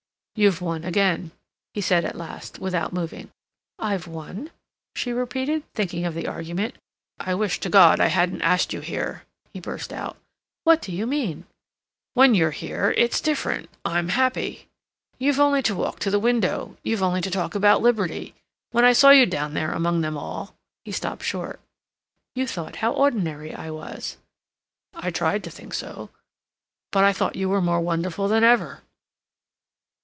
"You've won again," he said at last, without moving. "I've won?" she repeated, thinking of the argument. "I wish to God I hadn't asked you here," he burst out. "What do you mean?" "When you're here, it's different—I'm happy. You've only to walk to the window—you've only to talk about liberty. When I saw you down there among them all—" He stopped short. "You thought how ordinary I was." "I tried to think so. But I thought you more wonderful than ever."